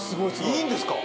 いいんですか？